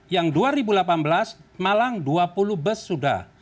yang dua ribu delapan belas malang dua puluh bus sudah